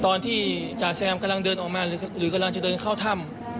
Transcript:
ตอนที่จ่าแซมกำลังเดินออกมาหรือกำลังจะเดินเข้าถ้ำ